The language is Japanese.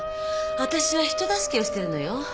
わたしは人助けをしてるのよ。